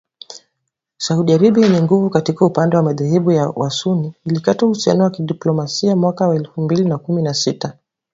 Saudi Arabia yenye nguvu katika upande madhehebu ya wasunni, ilikata uhusiano wa kidiplomasia mwaka elfu mbili na kumi na sita